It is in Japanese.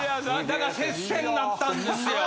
だから接戦なったんですよ。